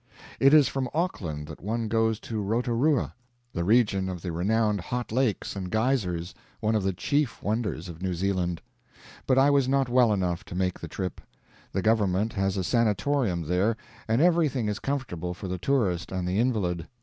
It is from Auckland that one goes to Rotorua, the region of the renowned hot lakes and geysers one of the chief wonders of New Zealand; but I was not well enough to make the trip. The government has a sanitorium there, and everything is comfortable for the tourist and the invalid.